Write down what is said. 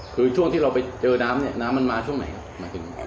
คือช่วงที่เราไปเจอน้ำเนี่ยน้ำมันมาช่วงไหนครับมาถึง